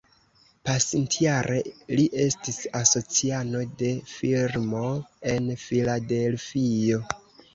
Pasintjare, li estis asociano de firmo en Filadelfio.